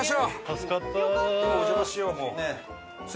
お邪魔しようもう。